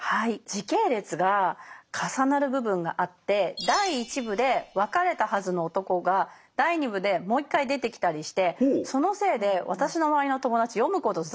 時系列が重なる部分があって第一部で別れたはずの男が第二部でもう一回出てきたりしてそのせいで私の周りの友達読むことを挫折した人が多いんですよ。